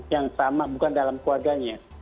yang sama bukan dalam keluarganya